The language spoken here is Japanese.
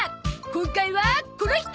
今回はこの人！